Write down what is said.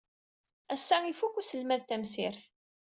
Ass-a i ifukk uselmad tamsirt.